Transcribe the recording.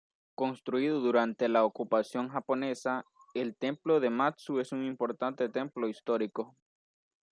Construido durante la ocupación japonesa, el Templo de Matsu es un importante templo histórico.